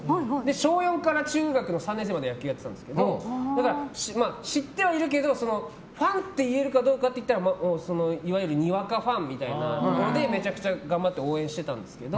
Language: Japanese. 小４から中学の３年生まで野球やってたんですけど知ってはいるけどファンって言えるかどうかはいわゆるにわかファンみたいなのでめちゃくちゃ頑張って応援してたんですけど。